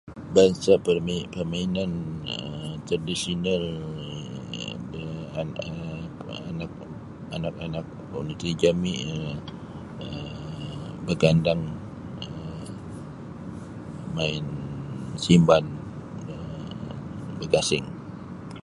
Bansa perminan tradisional ni um anak-anak komuniti jami um bagandang um main simban um begasing